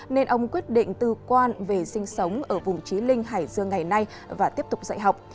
nên ông quyết định tư quan về sinh sống ở vùng trí linh hải dương ngày nay và tiếp tục dạy học